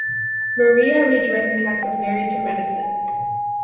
Mariah rejoined the cast of "Married to Medicine".